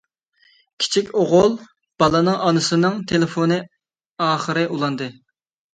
كىچىك ئوغۇل بالىنىڭ ئانىسىنىڭ تېلېفونى ئاخىرى ئۇلاندى.